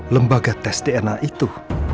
lembaga tes dna itu